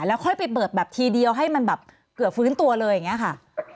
แล้วค่อยไปเปิดแบบทีเดียวให้มันแบบเกือบฟื้นตัวเลยอย่างนี้ค่ะ